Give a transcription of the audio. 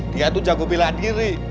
dia tuh jago bela diri